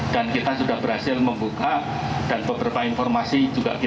dan kita sudah berhasil membuka dan beberapa informasi juga berhasil